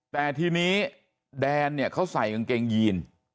แต่ทีนี้แดนเนี่ยเขาใส่กางเกงยีน